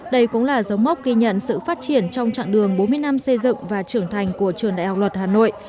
đây cũng là dấu mốc ghi nhận sự phát triển trong trạng đường bốn mươi năm xây dựng và trưởng thành của trường đại học luật hà nội